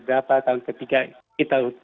berapa tahun ketiga kita